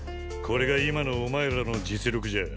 これが今のお前らの実力じゃ。